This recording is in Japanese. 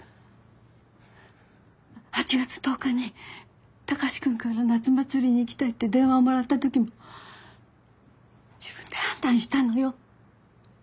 ８月１０日に高志くんから夏祭りに行きたいって電話をもらったときも自分で判断したのよ。